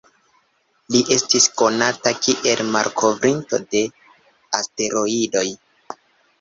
Li estis konata kiel malkovrinto de asteroidoj.